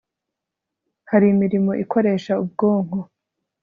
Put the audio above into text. hari imirimo ikoresha ubwonko